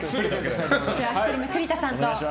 １人目は栗田さん。